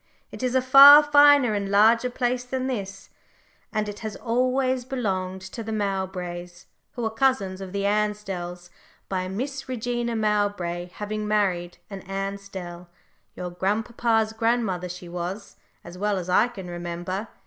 It is a far finer and larger place than this, and it has always belonged to the Mowbrays, who are cousins of the Ansdells, by a Miss Regina Mowbray having married an Ansdell your grandpapa's grandmother she was, as well as I can remember.